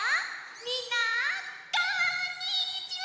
みんなこんにちは！